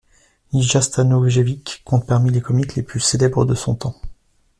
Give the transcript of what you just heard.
Ilija Stanojević compte parmi les comiques les plus célèbres de son temps.